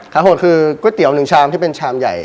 โหดคือก๋วยเตี๋ยว๑ชามที่เป็นชามใหญ่